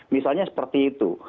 misalnya seperti itu